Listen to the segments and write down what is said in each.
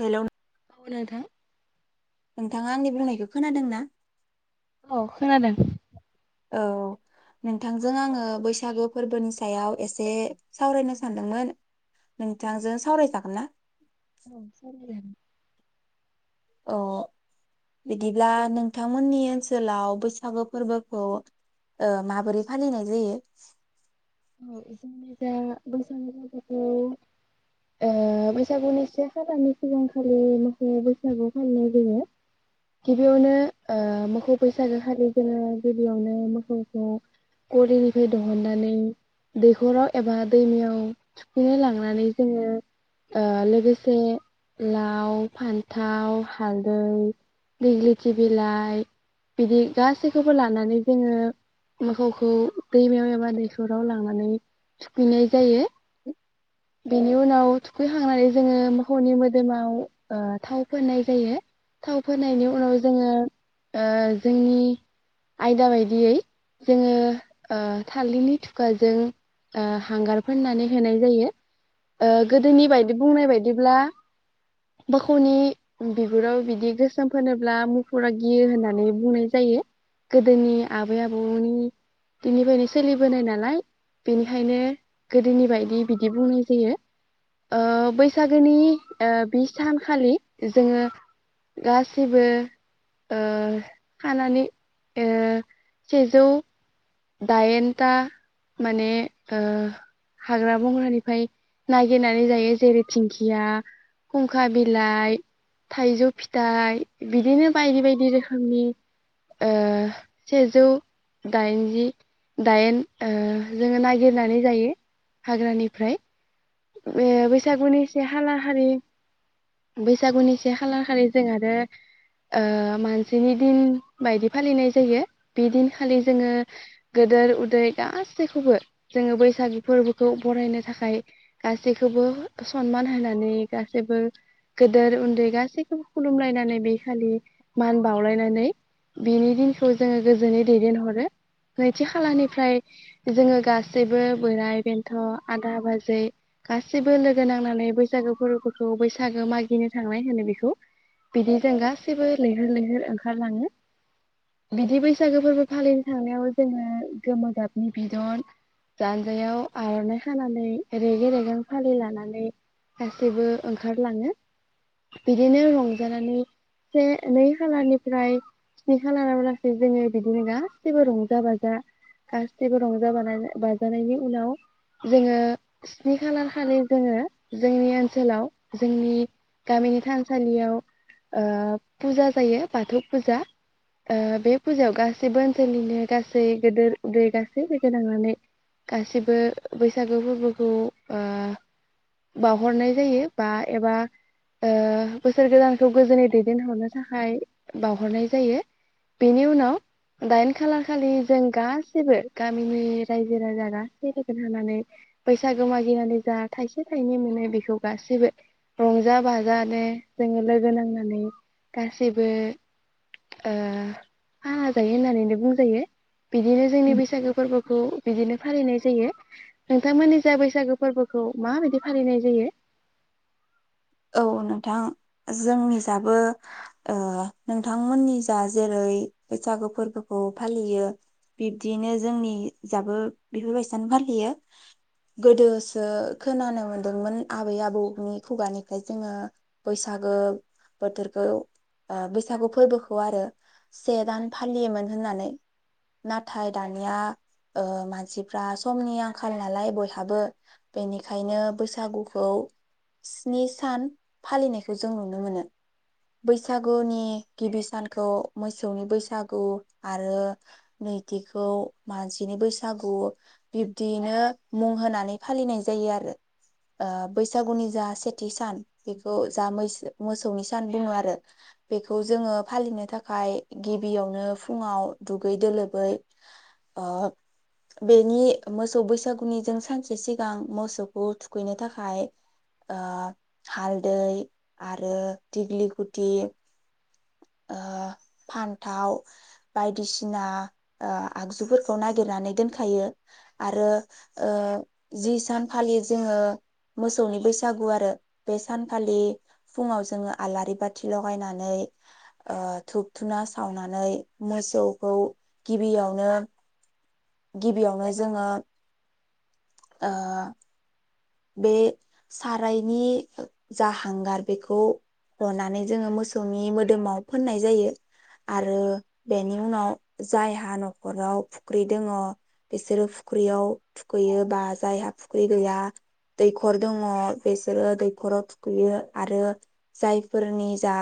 Hello नो औ नोंथां। नोंथाङा आंनि बुंनायखौ खोनादों ना? औ खोनादों। औ नोंथांजों आङो बैसागो फोरबोनि सायाव एसे सावरायनो सानदोंमोन नोंथांजों सावरायजागोन ना? औ सावरायजागोन। अ बिदिब्ला नोंथांमोननि ओनसोलाव बैसागु फोरबोखौ ओ माबोरै फालिनाय जायो? औ जोंनि जा बैसागु फोरबोखौ ओ बैसागुनि से खालानि सिगांखालि मोसौनि बैसागु फालिनाय जायो गिबियावनो ओ मोखौ बैसागो फालि जङो गिबियावनो मोसौखौ गलिनिफ्राय दहननानै दैखराव एबा दैमायाव थुखैनो लांनानै जोङो ओ लोगोसे लाव फान्थाव हालदै दिग्लिथि बिलाइ बिदि गासैखौबो लानानै जोङो मोखौखौ दैमायाव एबा दैखर राव लांनानै थुखैनाय जायो। बेनि उनाव थुखैखांनानै जोङो मोखौनि मोदोमाव ओ थाव फोननाय जायो थाव फोननायनि उनाव जोङो ओ जोंनि आयदा बायदियै जोङो ओ थालिरनि थुखाजों ओ हांगार फोननानै होनाय जायो। ओ गोदोनि बायदि बुंनाय बायदिब्ला मोखौनि बिबुराव बिदि गोसोम फोनोब्ला मुफुरा गियो होननानै बुंनाय जायो गोदोनि आबै आबौनि दिननिफ्रायनो सोलिबोनाय नालाय बेनिखायनो गोदोनि बायदि बिदि बुंनाय जायो ओ बैसागोनि ओ बि सानखालि जोङो गासिबो ओ खानानै ओ सेजौ दाइनथा माने ओ हाग्रा बंग्रानिफ्राय नागिरनानै जायो जेरै धिंखिया खुंखा बिलाइ थाइजौ फिथाइ बिदिनो बायदि बायदि रोखोमनि ओ सेजौ दाइन जि दाइन ओ जोङो नागिरनानै जायो हाग्रानिफ्राय। बे बैसागुनि से खालारखालि बैसागुनि से खालारखालि जों आरो ओ मानसिनि दिन बायदि फालिनाय जायो बे दिनखालि जोङो गेदोर उदै गासैखौबो जोङो बैसागु फोरबोखौ बरायनो थाखाय गासैखौबो सनमान होनानै गासैबो गोदोर उन्दै गासैखौबो खुलुमलायनानै बे खालि मान बावलायनानै बिनि दिनखौ जोङो गोजोनै दैदेनहरो नैथि खालानिफ्राय जोङो गासैबो बोराय बेन्थ' आदा बाजै गासैबो लोगो नांनानै बैसागो फोरबोखौ बैसागो मागिनो थांनाय होनो बेखौ बिदि जों गासैबो लैहोर लैहोर ओंखारलाङो बिदि बैसागो फोरबो फालिनो थांनायाव जोङो गोमो गाबनि बिदन जानजायाव आर'नाइ खानानै रेगे रेग जों फालि लानानै गासैबो ओंखारलाङो बिदिनो रंजानानै से नै खालारनिफ्राय स्नि खालाराव लासै जोङो बिदिनो गासैबो रंजा बाजा गासैबो रंजा बाना बाजानायनि उनाव जोङो स्नि खालार खालि जोङो जोंनि ओनसोलाव जोंनि गामिनि थानसालियाव ओ फुजा जायो बाथौ फुजा ओ बे फुजायाव गासैबो ओनसोलनिनो गासै गोदोर उदै गासै लोगो नांनानै गासैबो बैसागो फोरबोखौ ओ बावहरनाय जायो बा एबा ओ ‌बोसोर गोदानखौ गोजोनै दैदेनहरनो थाखाय बावहरनाय जायो बेनि उनाव दायेन खालार खालि जों गासैबो गामिनि राज्यो राजा गासैबो लोगो होनानै बैसागो माग बिनानै जा थाइसे थाइनै मोनो बेखौ गासैबो रंजा बाजानो जोङो लोगो नांनानै गासैबो ओ खाना जायो होननानैनो बुंजायो। बिदिनो जोंनि बैसागो फोरबो खौ बिदिनो फालिनाय जायो नोंथांमोननि जाय बैसागो फोरबोखौ माबायदि फालिनाय जायो? औ नोंथां जोंनि जाबो ओ नोंथांमोननि जा जेरै बैसागु फोरबोखौ फालियो बिब्दिनो जोंनि जाबो बेफोरबायसानो फालियो गोदोसो खोनानो मोनदोंमोन आबै आबौनि खुगानि फाय जोङो बैसागो बोथोरखौ ओ बैसागु फोरबोखौ आरो से दान फालियोमोन होननानै नाथाय दानिया ओ मानसिफ्रा समनि आंखाल नालाय बयहाबो बेनिखायनो बैसागुखौ स्नि सान फालिनायखौ जों नुनो मोनो बैसागुनि गिबि सानखौ मोसौनि बैसागु आरो नैथिखौ मानसिनि बैसागु बिब्दियैनो मुं होनानै फालिनाय जायो आरो ओ बैसागुनि जा से थि सान' बेखौ जा मैसो मोसौनि सान बुङो आरो बेखौ जोङो फालिनो थाखाय गिबियावनो फुङाव दुगैदो लोबै ओ बेनि मोसौ बैसागुनिजों सानसे सिगां मोसौखौ थुखैनो थाखाय हालदै आरो दिग्लि गुटि ओ फान्थाव बायदिसिना ओ आगजुफोरखौ नागिरनानै दोनखायो आरो ओ जि सानखालि जोङो मोसौनि बैसागु आरो बे सानखालि फुङाव जोङो आलारि बाथि लगायनानै ओ धुप धुना सावनानै मोसौखौ गिबियावनो गिबियावनो जोङो ओ बे सारायनि जा हांगार बेखौ हनानै जोङो मोसौनि मोदोमाव फोननाय जायो आरो बेनि उनाव जायहा न'खराव फुख्रि दङ बिसोरो फुख्रियाव थुखैयो बा जायहा फुख्रि गैया। दैखर दङ बेसोरो दैखराव थुखैयो आरो जायफोरनि जा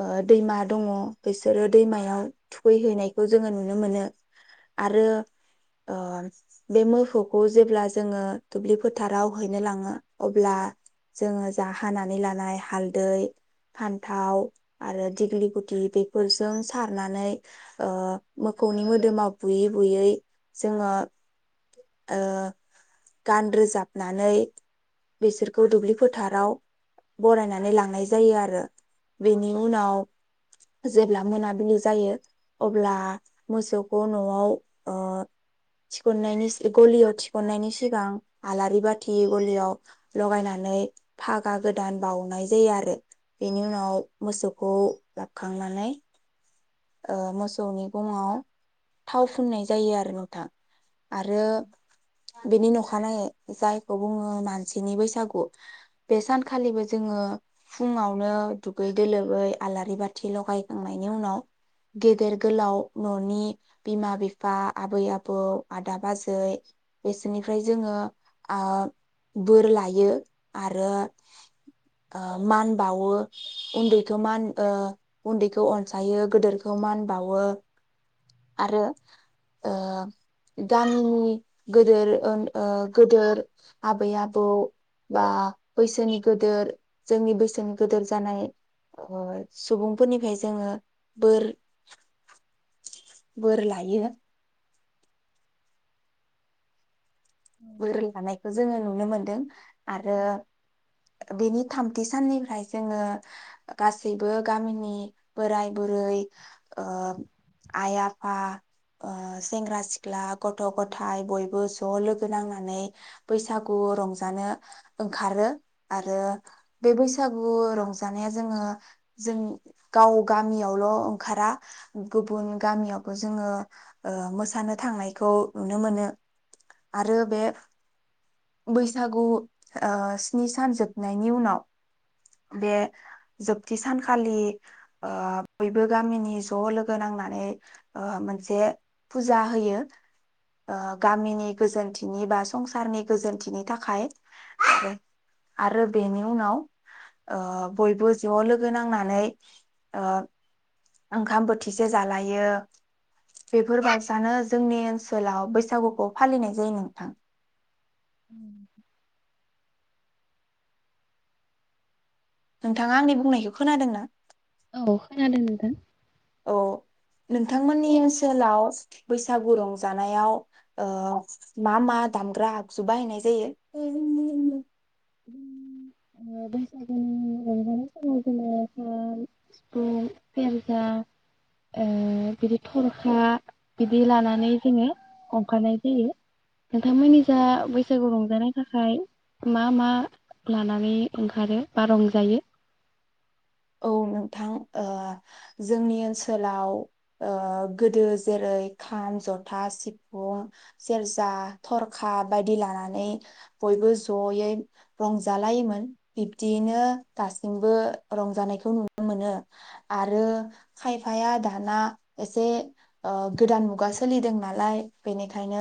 ओ दैमा दङ बेसोरो दैमायाव थुखैहैनायखौ जोङो नुनो मोनो आरो ओम बे मोसौखौ जेब्ला जोङो दुब्लि फोथाराव बोहैनो लाङो अब्ला जोङो जा हानानै लानाय हालदै फान्थाव आरो दिग्लि गुदि बेफोरजों सारनानै ओ मोखौनि मोदोमाव बुयै बुयै जोङो ओ गान रोजाब नानै बिसोरखौ दुब्लि फोथाराव बरायनानै लांनाय जायो आरो बेनि उनाव जेब्ला मोनाबिलि जायो अब्ला मोसौखौ न'आव ओ थिखोनायनि सि गलियाव थिखन्नायनि सिगां आलार रि बाथि गलियाव लगायनानै फागा गोदान बाउनाय जायो आरो बेनि उनाव मोसौखौ लाबोखांनानै ओ मोसौनि गङाव थाव फुननाय जायो आरो नोंथां। आरो बेनि न'ख अखानायै जायखौ बुङो मानसिनि बैसागु बे सानखालिबो जोङो फुङावनो दुगैदो लोबै आलारि बाथि लगायखांनायनि उनाव गेदेर गोलाव न'नि बिमा-बिफा आबै-आबौ आदा-बाजै बिसोरनिफ्राय जोङो आ बोर लायो आरो ओ मानबावो उन्दैखौ मान ओ उन्दैखौ अनसायो। गेदोरखौ मानबावो। आरो ओम गामिनि गोदोर ओन ओ गोदोर आबै-आबौ बा बैसोनि गोदोर जोंनि बैसोनि गोदोर जानाय ओ सुबुंफोरनिफ्राय जोङो बोर बोर लायो। बोर लानायखौ जोङो नुनो मोन दों। आरो बेनि थामथि साननिफ्राय जोङो गासैबो गामिनि बोराय बुरै ओ आइ आफा सेंग्रा सिख्ला गथ' गथाय बयबो ज' लोगो नांनानै बैसागु रंजानो ओंखारो आरो बे बैसागु रंजानाया जोङो जों गाव गामियावल' ओंखारा गुबुन गामियावबो जोङो मोसानो थांनायखौ नुनो मोनो। आरो बे बैसागु ओ स्नि सान जोबनायनि उनाव बे जोबथि सानखालि बयबो गामिनि ज' लोगो नांनानै मोनसे फुजा होयो ओ गामिनि गोजोनथिनि बा संसारनि गोजोनथिनि थाखाय आरो बेनि उनाव ओ बयबो ओ ज' लोगो नांनानै ओ ओंखाम बोथिसे जालायो बेफोर बायसानो जोंनि ओनसोलाव बैसागुखौ फालिनाय जायो नोंथां। उम नोंथाङा आंनि बुंनायखौ खोनादों ना? औ खोनादों नोंथां। औ नोंथांमोननि ओनसोलाव बैसागु रंजानायाव ओ मा मा दामग्रा आगजु बाहायनाय जायो? ओ बैसागुनि सिफुं, सेरजा ओ बिदि थरखा बिदि लानानै जोङो अंखारनाय जायो नोंथांमोननि जा बैसागु रंजानाय थाखाय मा मा लानानै ओंखारो बा रंजायो? औ नोंथां ओ जोंनि ओनसोलाव ओ गोदो जेरै खाम जथा सिफुं सेरजा थरखा बायदि लानानै बयबो जयै रंजालायोमोन बिब्दियैनो दासिमबो रंजानायखौ नुनो मोनो आरो खायफाया दाना एसे ओ गोदान मुगा सोलिदों नालाय बेनिखायनो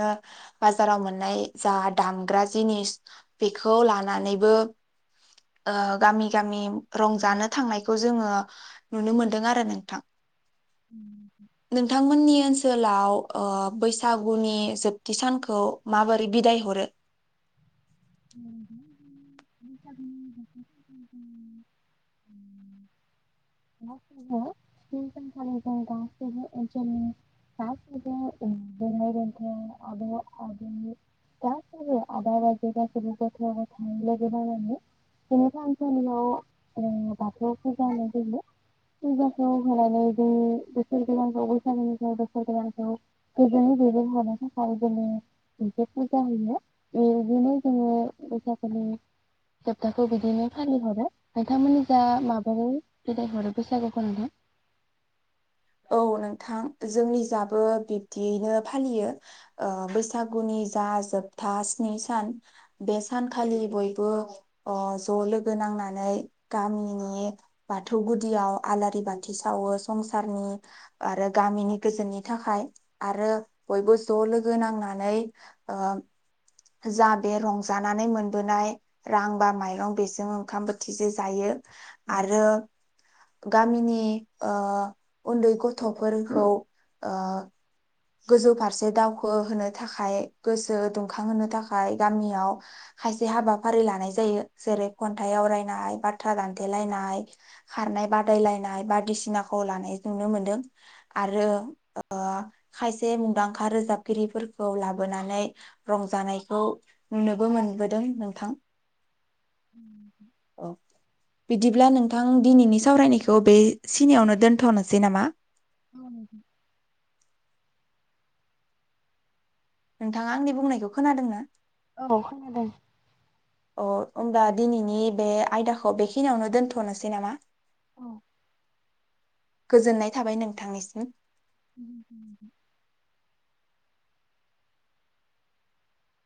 बाजाराव मोननाय जा दामग्रा जिनिस बेखौ लानानैबो गामि गामि रंज जानो थांनायखौ जोङो नुनो मोनदों आरो नोंथां। नोंथांमोननि ओनसोल ओनसोलाव ओ बैसागुनि जोबथि सानखौ माबोरै बिदाय हरो? [unintelligible] [unintelligible] स्नि सानखालि जोंनि ओनसोलनि गासैबो उम बोराय बेन्थ' आब' आगै गासैबो आदा बाजै गासैबो गथ' गथाय लोगो नांनानै जोंनि थान सालियाव बाथौ फुजा होनाय जायो। फुजाखौ होनानै जों बोसोर गोदानखौ बैसागुनिफ्राय बोसोर गोलानखौ गोजोनै दैदेनहरनो थाखाय जोङो मोनसे फुजा होयो बिदिनो जोङो बैसागोनि जोबथाखौ बिदिनो फालिहरो। नोंथांमोननि जा माबोरै बिदायहरो? बैसागुखौ नोंथां? औ नोंथां जोंनि जाबो बिब्दियैनो फालियो ओ बैसागुनि जा जोबथा स्नि सान बे सानखालि बयबो अ ज' लोगो नांनानै गामिनि बाथौ गुदियाव आलारि बाथि सावो संसा सारनि आरो गामिनि गोजोननि थाखाय आरो बयबो ज' लोगो नांनानै ओ जा बे रंजानानै मोनबोनाय रां बा माइरं बेजों ओंखाम बोथिजो जायो आरो गामिनि ओ उन्दै गथ'फोरखौ ओ गोजौ फारसे दावखोहोनो थाखाय गोसो दुंखांहोनो थाखाय गामियाव खायसे हाबाफारि लानाय जायो जेरै खन्थाइ आवरायनाय बाथ्रा दानथेलायनाय खारनाय बादायलायनाय बायदिसिनाखौ लानाय नुनो मोनदों आरो। खायसे मुंदांखा रोजाबगिरिफोरखौ लाबोनानै रंजानायखौ नुनोबो मोनबोदों नोंथां। उम औ बिदिब्ला नोंथां दिनैनि सावरायनायखौ बे सिनियावनो दोन्थ'नोसै नामा? औ नोंथां नोंथाङा आंनि बुंनायखौ खोनादों ना? औ खोनादों। अ होमबा दिनैनि बे आयदाखौ बेखिनियावनो दोनथ'नोसै नामा गोजोननाय थाबाय नोंथांनिसिम। [unintelligible]